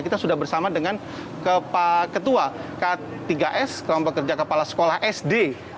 kita sudah bersama dengan ketua k tiga s kelompok kerja kepala sekolah sd